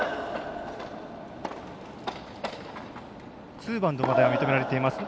ツーバウンドまでは認められています。